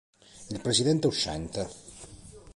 Il presidente uscente.